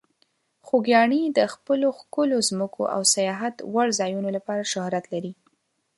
خوږیاڼي د خپلو ښکلو ځمکو او سیاحت وړ ځایونو لپاره شهرت لري.